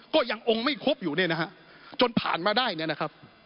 ก็ยังองค์ไม่ครบอยู่จนผ่านมาได้นะครับ